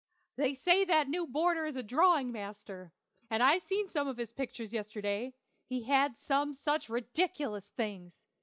They say that new boarder is a drawing master, and I seen some of his pictures yesterday; he had some such ridiculous things.